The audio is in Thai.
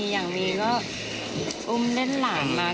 อย่างมีก็อุ้มเล่นหลานมา